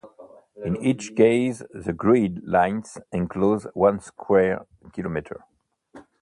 In each case, the grid lines enclose one square kilometre.